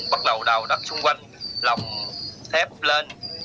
bắt đầu đào đất xung quanh lòng thép lên